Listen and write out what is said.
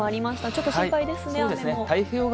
ちょっと心配ですね、雨も。